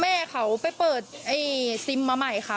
แม่เขาไปเปิดไอ้ซิมมาใหม่ค่ะ